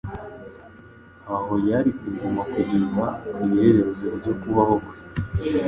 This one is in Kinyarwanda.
aho yari kuguma kugeza ku iherezo ryo kubaho kwe.